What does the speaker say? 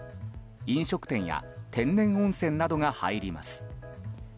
飲食店や天然温泉などが入ります。